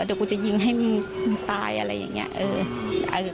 เดี๋ยวกูจะยิงให้มึงตายอะไรอย่างเงี้ยเออเออ